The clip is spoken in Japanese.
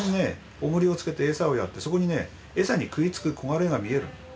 おもりをつけて餌をやってそこにね餌に食いつくコガレイが見えるの。